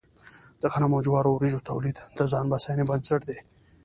د غنمو، جوارو او وريجو تولید د ځان بسیاینې بنسټ دی.